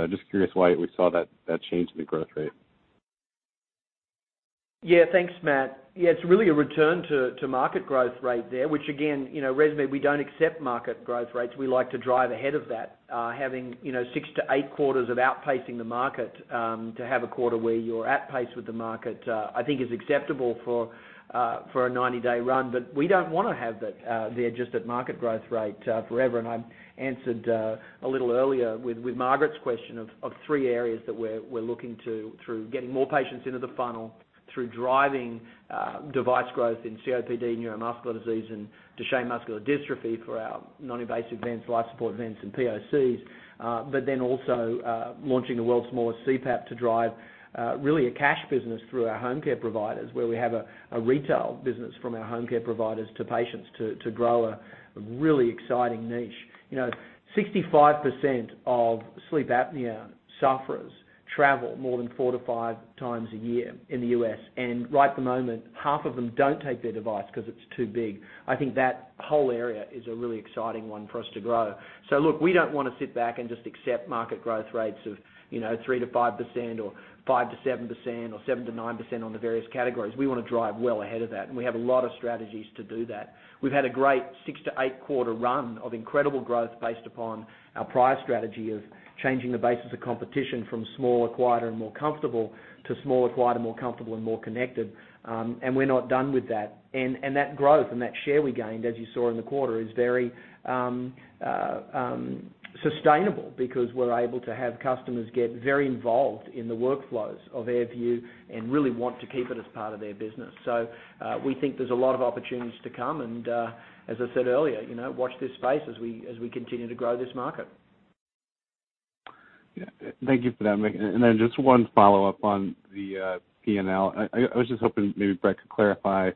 S12: Just curious why we saw that change in the growth rate.
S3: Thanks, Matt. It's really a return to market growth rate there, which again, ResMed, we don't accept market growth rates. We like to drive ahead of that. Having six to eight quarters of outpacing the market to have a quarter where you're at pace with the market, I think is acceptable for a 90-day run. We don't want to have that there just at market growth rate forever. I answered a little earlier with Margaret's question of three areas that we're looking to through getting more patients into the funnel, through driving device growth in COPD, neuromuscular disease, and Duchenne muscular dystrophy for our non-invasive vents, life support vents, and POCs. Also, launching the world's smallest CPAP to drive really a cash business through our home care providers, where we have a retail business from our home care providers to patients to grow a really exciting niche. 65% of sleep apnea sufferers travel more than four to five times a year in the U.S., and right the moment, half of them don't take their device because it's too big. I think that whole area is a really exciting one for us to grow. Look, we don't want to sit back and just accept market growth rates of 3%-5% or 5%-7% or 7%-9% on the various categories. We want to drive well ahead of that, we have a lot of strategies to do that. We've had a great six to eight quarter run of incredible growth based upon our prior strategy of changing the basis of competition from smaller, quieter, and more comfortable to smaller, quieter, more comfortable, and more connected. We're not done with that. That growth and that share we gained, as you saw in the quarter, is very sustainable because we're able to have customers get very involved in the workflows of AirView and really want to keep it as part of their business. We think there's a lot of opportunities to come, and as I said earlier, watch this space as we continue to grow this market.
S12: Yeah. Thank you for that, Mick. Then just one follow-up on the P&L. I was just hoping maybe Brett could clarify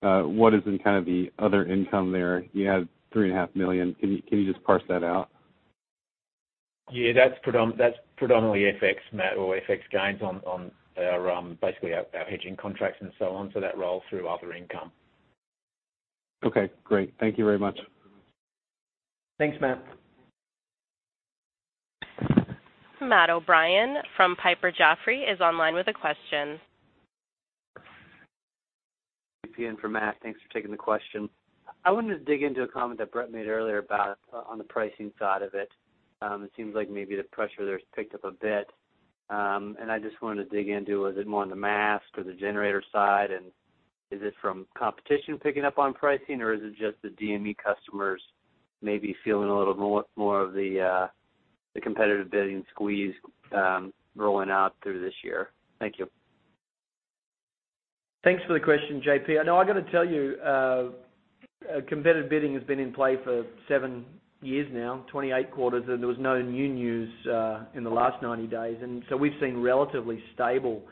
S12: What is in the other income there? You had $3.5 million. Can you just parse that out?
S4: Yeah. That's predominantly FX, Matt, or FX gains on basically our hedging contracts and so on. That rolls through other income.
S12: Okay, great. Thank you very much.
S4: Thanks, Matt.
S1: Matthew O'Brien from Piper Jaffray is online with a question.
S13: JP in for Matt. Thanks for taking the question. I wanted to dig into a comment that Brett made earlier about on the pricing side of it. It seems like maybe the pressure there has picked up a bit. I just wanted to dig into, was it more on the mask or the generator side? Is this from competition picking up on pricing, or is it just the DME customers maybe feeling a little more of the competitive bidding squeeze rolling out through this year? Thank you.
S3: Thanks for the question, JP. I got to tell you, competitive bidding has been in play for seven years now, 28 quarters. There was no new news in the last 90 days. We've seen relatively stable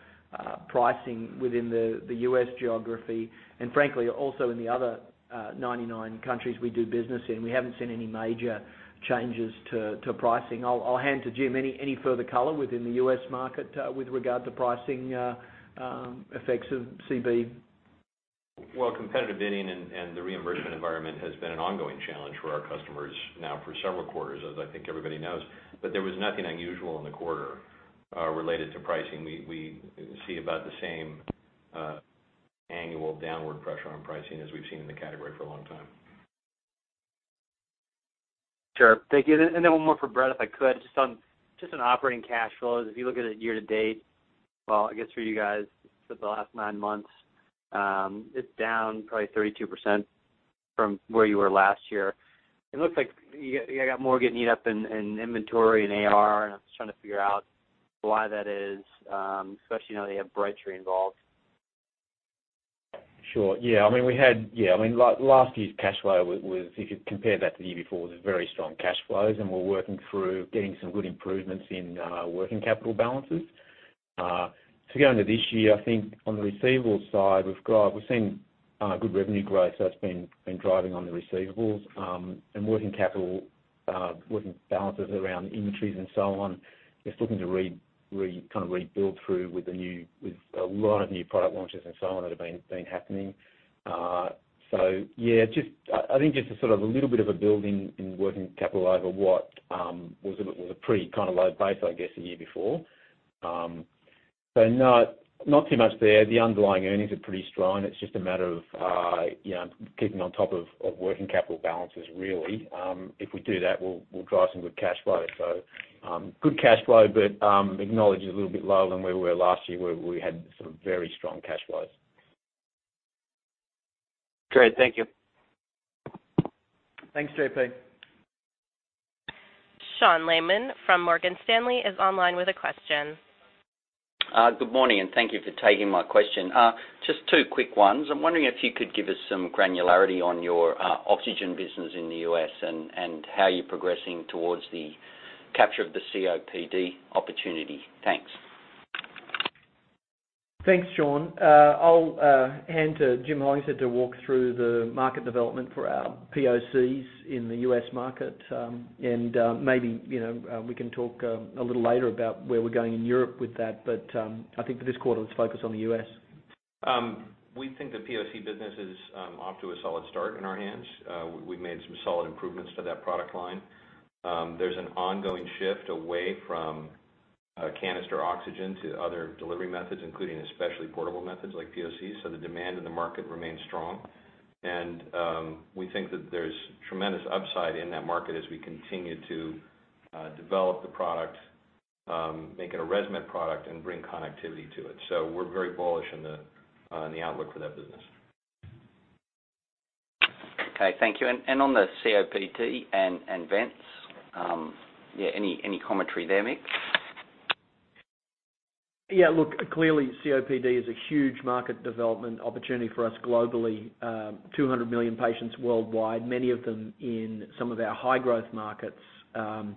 S3: pricing within the U.S. geography, and frankly, also in the other 99 countries we do business in. We haven't seen any major changes to pricing. I'll hand to Jim, any further color within the U.S. market with regard to pricing effects of CB.
S11: Well, competitive bidding and the reimbursement environment has been an ongoing challenge for our customers now for several quarters, as I think everybody knows. There was nothing unusual in the quarter related to pricing. We see about the same annual downward pressure on pricing as we've seen in the category for a long time.
S13: Sure. Thank you. Then one more for Brett, if I could, just on operating cash flows. If you look at it year-to-date, well, I guess for you guys, for the last nine months, it's down probably 32% from where you were last year. It looks like you got more getting eat up in inventory and AR, and I'm just trying to figure out why that is, especially now that you have Brightree involved.
S4: Sure. Yeah. Last year's cash flow, if you compare that to the year before, was very strong cash flows, we're working through getting some good improvements in working capital balances. To go into this year, I think on the receivables side, we've seen good revenue growth that's been driving on the receivables. Working capital balances around inventories and so on, just looking to rebuild through with a lot of new product launches and so on that have been happening. Yeah, I think just a little bit of a build in working capital over what was a pretty low base, I guess, the year before. Not too much there. The underlying earnings are pretty strong. It's just a matter of keeping on top of working capital balances, really. If we do that, we'll drive some good cash flow. Good cash flow, acknowledge it's a little bit lower than where we were last year, where we had some very strong cash flows.
S13: Great. Thank you.
S4: Thanks, JP.
S1: Sean Laaman from Morgan Stanley is online with a question.
S14: Good morning. Thank you for taking my question. Just two quick ones. I'm wondering if you could give us some granularity on your oxygen business in the U.S. and how you're progressing towards the capture of the COPD opportunity. Thanks.
S3: Thanks, Sean. I'll hand to Jim Hollingshead to walk through the market development for our POCs in the U.S. market. Maybe we can talk a little later about where we're going in Europe with that. I think for this quarter, let's focus on the U.S.
S11: We think the POC business is off to a solid start in our hands. We've made some solid improvements to that product line. There's an ongoing shift away from canister oxygen to other delivery methods, including especially portable methods like POC. The demand in the market remains strong. We think that there's tremendous upside in that market as we continue to develop the product, make it a ResMed product, and bring connectivity to it. We're very bullish on the outlook for that business.
S14: Okay. Thank you. On the COPD and vents, any commentary there, Mick?
S3: Yeah, look, clearly COPD is a huge market development opportunity for us globally. 200 million patients worldwide, many of them in some of our high-growth markets. As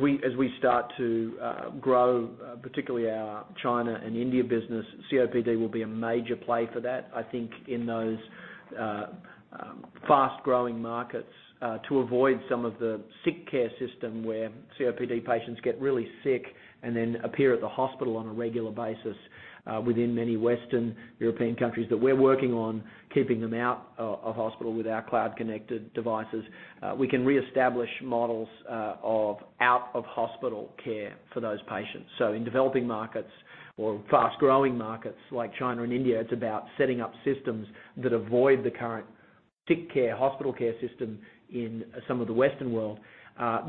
S3: we start to grow, particularly our China and India business, COPD will be a major play for that. I think in those fast-growing markets, to avoid some of the sick care system where COPD patients get really sick and then appear at the hospital on a regular basis within many Western European countries, that we're working on keeping them out of hospital with our cloud-connected devices. We can reestablish models of out-of-hospital care for those patients. In developing markets or fast-growing markets like China and India, it's about setting up systems that avoid the current sick care, hospital care system in some of the Western world.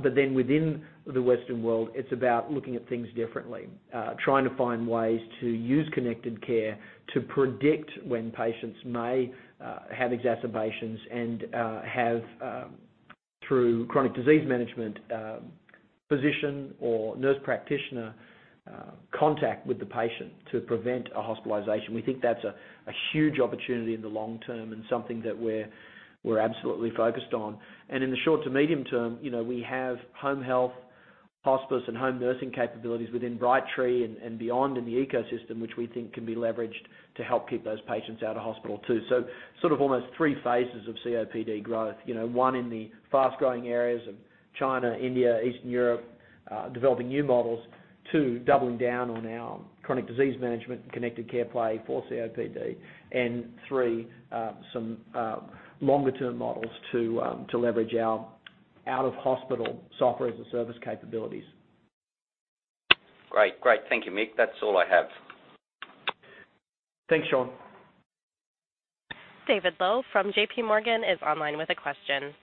S3: Within the Western World, it's about looking at things differently, trying to find ways to use connected care to predict when patients may have exacerbations and have, through chronic disease management, physician or nurse practitioner contact with the patient to prevent a hospitalization. We think that's a huge opportunity in the long term and something that we're absolutely focused on. In the short to medium term, we have home health Hospice and home nursing capabilities within Brightree and beyond in the ecosystem, which we think can be leveraged to help keep those patients out of hospital, too. Almost 3 phases of COPD growth. 1, in the fast-growing areas of China, India, Eastern Europe, developing new models. 2, doubling down on our chronic disease management connected care play for COPD. 3, some longer-term models to leverage our out-of-hospital SaaS capabilities.
S14: Great. Thank you, Mick. That's all I have.
S3: Thanks, Sean.
S1: David Low from JPMorgan is online with a question.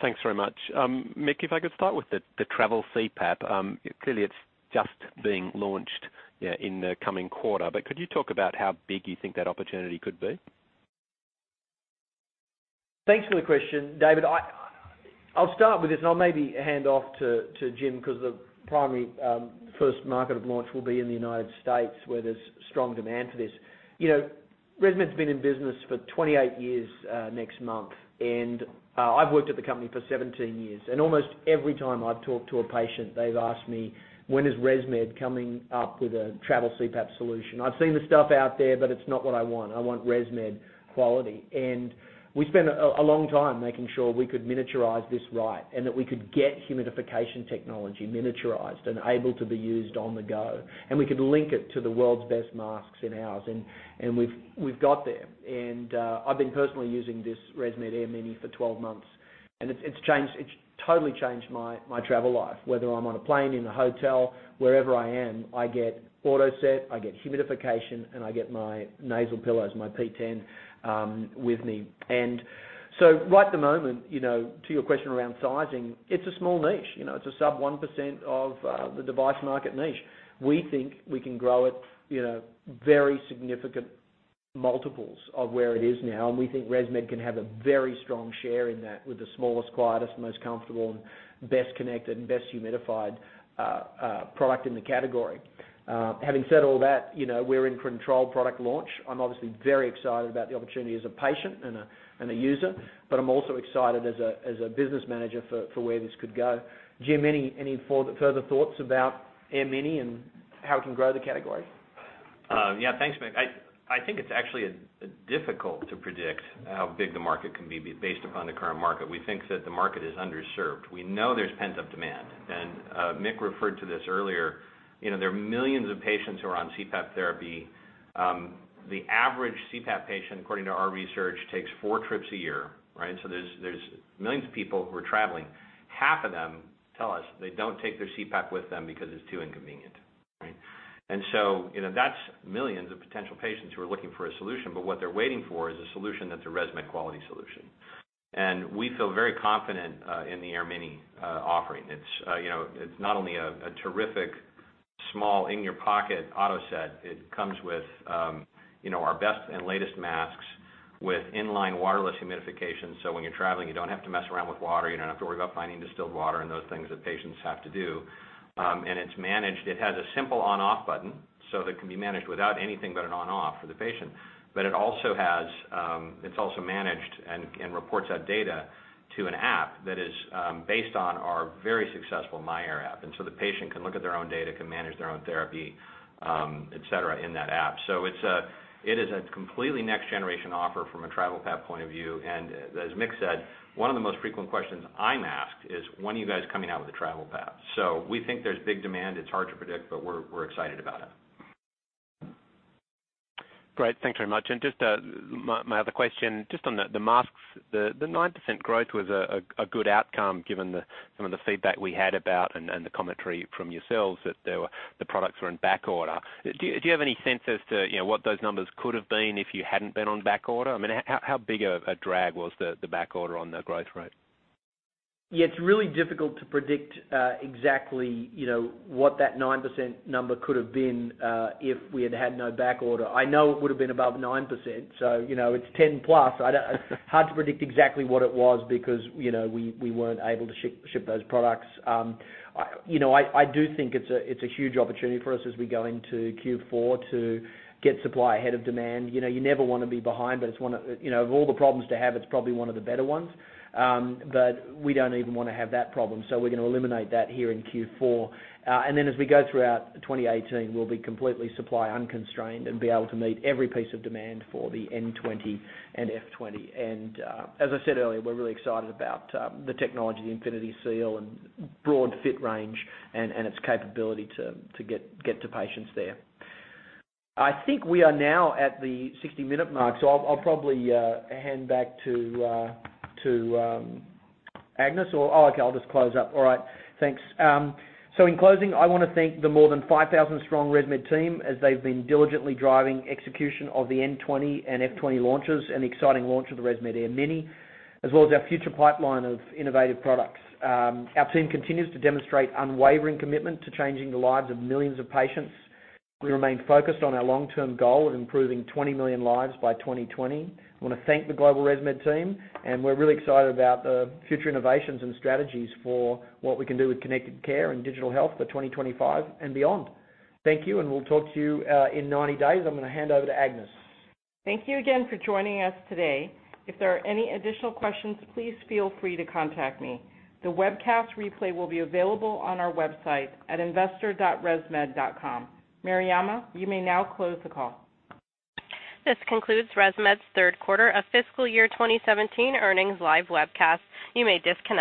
S15: Thanks very much. Mick, if I could start with the travel CPAP. It's just being launched in the coming quarter, could you talk about how big you think that opportunity could be?
S3: Thanks for the question, David. I'll start with this I'll maybe hand off to Jim, because the primary first market of launch will be in the U.S., where there's strong demand for this. ResMed's been in business for 28 years next month, I've worked at the company for 17 years. Almost every time I've talked to a patient, they've asked me, "When is ResMed coming up with a travel CPAP solution? I've seen the stuff out there, it's not what I want. I want ResMed quality." We spent a long time making sure we could miniaturize this right, that we could get humidification technology miniaturized and able to be used on the go. We could link it to the world's best masks in ours. We've got there. I've been personally using this ResMed AirMini for 12 months, it's totally changed my travel life. Whether I'm on a plane, in a hotel, wherever I am, I get AutoSet, I get humidification, I get my nasal pillows, my P10, with me. So right at the moment, to your question around sizing, it's a small niche. It's a sub 1% of the device market niche. We think we can grow it very significant multiples of where it is now, we think ResMed can have a very strong share in that with the smallest, quietest, most comfortable, best connected, best humidified product in the category. Having said all that, we're in control product launch. I'm obviously very excited about the opportunity as a patient and a user, I'm also excited as a business manager for where this could go. Jim, any further thoughts about AirMini and how we can grow the category?
S11: Yeah. Thanks, Mick. I think it's actually difficult to predict how big the market can be based upon the current market. We think that the market is underserved. We know there's pent-up demand. Mick referred to this earlier, there are millions of patients who are on CPAP therapy. The average CPAP patient, according to our research, takes four trips a year. There's millions of people who are traveling. Half of them tell us they don't take their CPAP with them because it's too inconvenient. That's millions of potential patients who are looking for a solution. What they're waiting for is a solution that's a ResMed quality solution. We feel very confident in the AirMini offering. It's not only a terrific small, in-your-pocket AutoSet, it comes with our best and latest masks with in-line wireless humidification. When you're traveling, you don't have to mess around with water. You don't have to worry about finding distilled water and those things that patients have to do. It's managed. It has a simple on/off button, that it can be managed without anything but an on/off for the patient. It's also managed and reports that data to an app that is based on our very successful myAir app. The patient can look at their own data, can manage their own therapy, et cetera, in that app. It is a completely next generation offer from a travel PAP point of view. As Mick said, one of the most frequent questions I'm asked is, "When are you guys coming out with a travel PAP?" We think there's big demand. It's hard to predict, but we're excited about it.
S15: Great. Thanks very much. Just my other question, just on the masks. The 9% growth was a good outcome given some of the feedback we had about, and the commentary from yourselves, that the products were in backorder. Do you have any sense as to what those numbers could have been if you hadn't been on backorder? I mean, how big a drag was the backorder on the growth rate?
S3: Yeah, it's really difficult to predict exactly what that 9% number could have been if we had had no backorder. I know it would've been above 9%. It's 10+. Hard to predict exactly what it was because we weren't able to ship those products. I do think it's a huge opportunity for us as we go into Q4 to get supply ahead of demand. You never want to be behind, but of all the problems to have, it's probably one of the better ones. We don't even want to have that problem, so we're going to eliminate that here in Q4. As we go throughout 2018, we'll be completely supply unconstrained and be able to meet every piece of demand for the N20 and F20. As I said earlier, we're really excited about the technology, the InfinitySeal, and broad fit range, and its capability to get to patients there. I think we are now at the 60-minute mark, so I'll probably hand back to Agnes. Okay, I'll just close up. All right. Thanks. In closing, I want to thank the more than 5,000-strong ResMed team as they've been diligently driving execution of the N20 and F20 launches, and the exciting launch of the ResMed AirMini, as well as our future pipeline of innovative products. Our team continues to demonstrate unwavering commitment to changing the lives of millions of patients. We remain focused on our long-term goal of improving 20 million lives by 2020. I want to thank the global ResMed team, and we're really excited about the future innovations and strategies for what we can do with connected care and digital health for 2025 and beyond. Thank you, and we'll talk to you in 90 days. I'm going to hand over to Agnes.
S2: Thank you again for joining us today. If there are any additional questions, please feel free to contact me. The webcast replay will be available on our website at investor.resmed.com. Mariama, you may now close the call.
S1: This concludes ResMed's third quarter of fiscal year 2017 earnings live webcast. You may disconnect your-